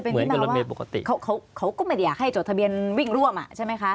เหมือนกับรถเมย์ปกติเขาก็ไม่ได้อยากให้จดทะเบียนวิ่งร่วมอ่ะใช่ไหมคะ